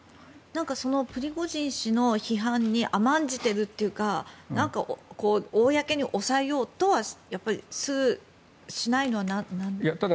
プリゴジン氏の批判に甘んじているというか公に抑えようとはしないのはなんでですか？